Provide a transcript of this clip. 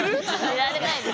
寝られないです。